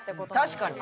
確かに。